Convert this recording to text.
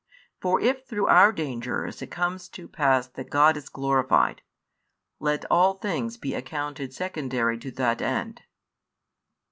For if through our dangers it comes to pass that God is glorified, let all things be accounted secondary to that end.